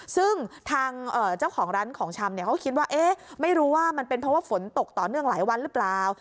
ซึ่งทางเจ้าของร้านของชำเขาคิดว่าไม่รู้ว่ามันเป็นเพราะว่าฝนตกต่อเนื่องหลายวันหรือเปล่า